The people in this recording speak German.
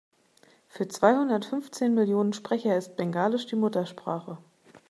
Für zweihundertfünfzehn Millionen Sprecher ist Bengalisch die Muttersprache.